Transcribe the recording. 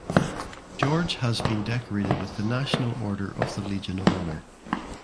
George has been decorated with the National Order of the Legion of Honour.